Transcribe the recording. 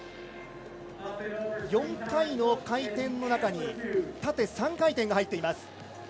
４回の回転の中に縦３回転が入っています。